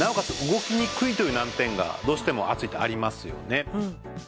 動きにくいという難点がどうしても厚いとありますよね。